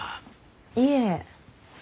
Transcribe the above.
いえ。